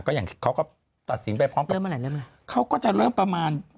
ก็อย่างเขาก็ตัดสินไปพร้อมกับเขาก็จะเริ่มประมาณ